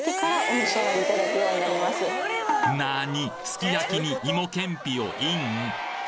すき焼きに芋けんぴをイン？